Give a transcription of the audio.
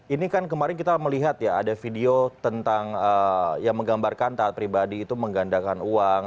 ini kan kemarin kita melihat ya ada video tentang yang menggambarkan taat pribadi itu menggandakan uang